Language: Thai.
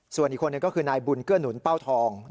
ส่วนอีกคนหนึ่งก็คือนายบุญเกื้อหนุนเป้าทอง